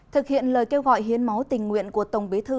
thực hiện lời kêu gọi hiến máu tình nguyện của tổng bế thư